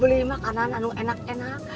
beli makanan aduh enak enak